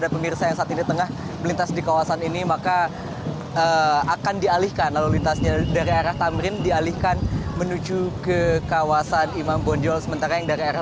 pada hari ini saya akan menunjukkan kepada anda